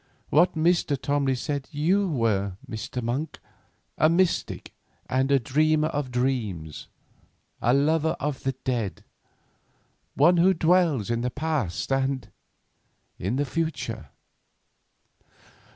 What Mr. Tomley said you were, Mr. Monk, a mystic and a dreamer of dreams; a lover of the dead; one who dwells in the past, and—in the future."